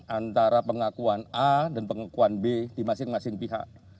antara pengakuan a dan pengakuan b di masing masing pihak